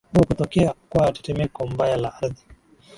u kutokea kwa tetemeko mbaya la ardhi